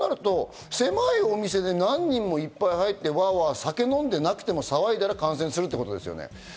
そうなると、狭いお店で何人もいっぱい入ってワワ酒飲んでなくても騒いだら感染するってことですよね。